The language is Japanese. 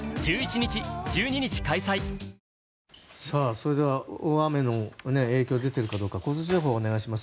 それでは大雨の影響が出ているのかどうか交通情報をお願いします。